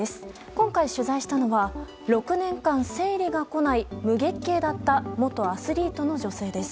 今回、取材したのは６年間生理が来ない無月経だった元アスリートの女性です。